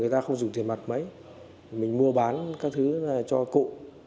người ta không dùng tiền mặt mấy mình mua bán các thứ cho cụ